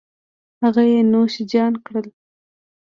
هغه یې نوش جان کړل